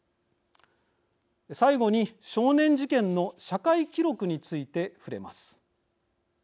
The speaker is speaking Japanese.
最後に、少年事件の社会記録について触れます。